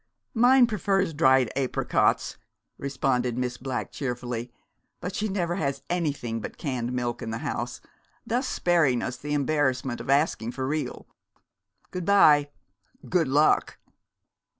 "Mine prefers dried apricots," responded Miss Black cheerfully, "but she never has anything but canned milk in the house, thus sparing us the embarrassment of asking for real. Good by good luck!"